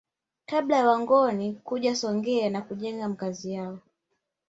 Kabla ya Wangoni kuja Songea na kujenga Makazi yao